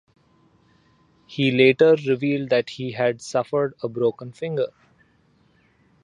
He later revealed that he had suffered a broken finger.